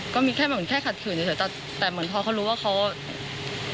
ก็มีแค่ขัดขื่นเฉยแต่เหมือนเขารู้ว่าเขา